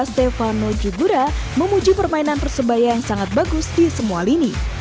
stefano jugura memuji permainan persebaya yang sangat bagus di semua lini